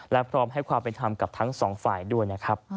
และพร้อมให้ความเป็นธรรมกับทั้งสองฝ่ายด้วยนะครับ